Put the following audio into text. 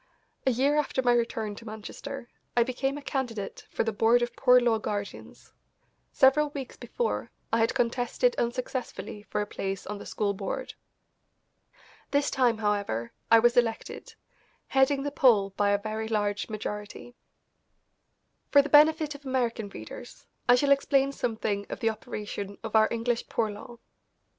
A year after my return to Manchester I became a candidate for the Board of Poor Law Guardians. Several weeks before, I had contested unsuccessfully for a place on the school board. This time, however, I was elected, heading the poll by a very large majority. For the benefit of American readers I shall explain something of the operation of our English Poor Law.